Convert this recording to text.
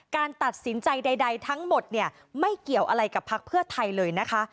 การตัดสินใจใดทั้งหมดเนี่ยไม่เกี่ยวอะไรกับพักเพื่อไทยเลยนะคะ